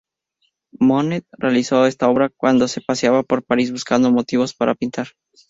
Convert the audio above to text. Monet realizó esta obra cuando se paseaba por París buscando motivos para pintar.